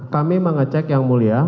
kami mengecek yang mulia